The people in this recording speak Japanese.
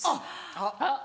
あっ。